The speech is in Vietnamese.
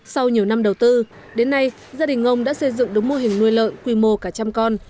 sau nhiều năm đầu tư đến nay gia đình ông đã xây dựng đúng mô hình nuôi lợn quy mô cả trăm con